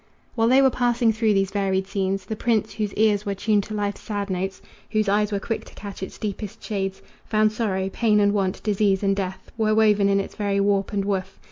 While they were passing through these varied scenes, The prince, whose ears were tuned to life's sad notes, Whose eyes were quick to catch its deepest shades, Found sorrow, pain and want, disease and death, Were woven in its very warp and woof.